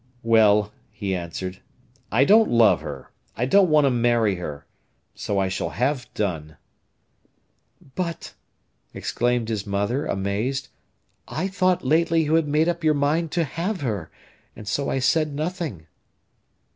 "Well," he answered, "I don't love her. I don't want to marry her—so I shall have done." "But," exclaimed his mother, amazed, "I thought lately you had made up your mind to have her, and so I said nothing."